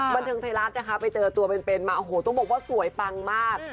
บันเทิงไทยรัฐนะคะไปเจอตัวเป็นมาโอ้โหต้องบอกว่าสวยปังมาก